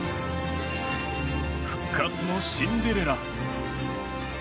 復活のシンデレラ。